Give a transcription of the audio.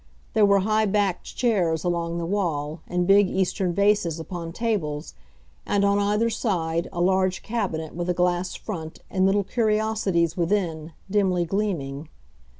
There were high backed chairs along the wall and big Eastern vases upon tables, and, on either side, a large cabinet with a glass front and little curiosities within, dimly gleaming.